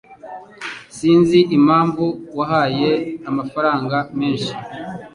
Sinzi impamvu wahaye amafaranga menshi.